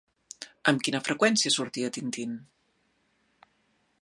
Amb quina freqüència sortia Tintín?